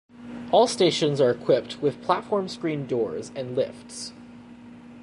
All stations are equipped with platform screen doors and lifts.